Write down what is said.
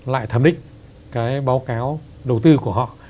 lại thẩm định cái báo cáo đầu tư của họ